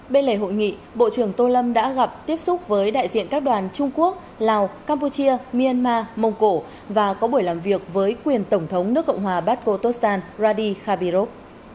bên lề hội nghị bộ trưởng tô lâm đã gặp tiếp xúc với đại diện các đoàn trung quốc lào campuchia myanmar mông cổ và có buổi làm việc với quyền tổng thống nước cộng hòa baskotostan radi khabirov